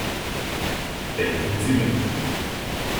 Denken Sie mit.